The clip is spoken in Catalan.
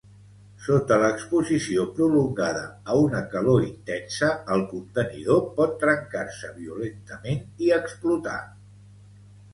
Sota l'exposició prolongada a una calor intensa, el contenidor pot trencar-se violentament i explotar.